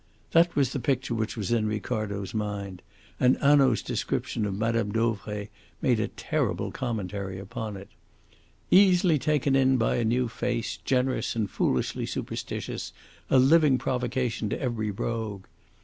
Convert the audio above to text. That was the picture which was in Ricardo's mind, and Hanaud's description of Mme. Dauvray made a terrible commentary upon it. "Easily taken by a new face, generous, and foolishly superstitious, a living provocation to every rogue."